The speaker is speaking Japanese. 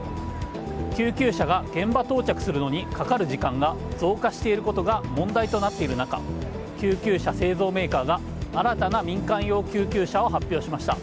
救急車が現場到着するのにかかる時間が増加していることが問題となっている中救急車製造メーカーが新たな民間用救急車を発表しました。